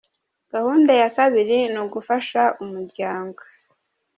Gahunda ya kabiri ni ugufasha umuryango.